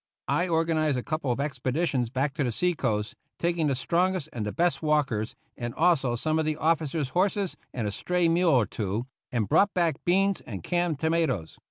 I organized a couple of expeditions back to the seacoast, taking the strongest and best walkers and also some of the officers' horses and a stray mule or two, and brought back beans and canned tomatoes.